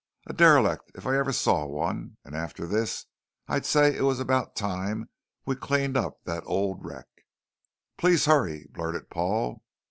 A derelict if I ever saw one, and after this I'd say it was about time we cleaned up that old wreck "" Please hurry," blurted Paul.